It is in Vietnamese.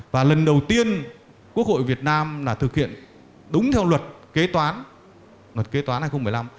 và lần đầu tiên quốc hội việt nam là thực hiện đúng theo luật kế toán luật kế toán hai nghìn một mươi năm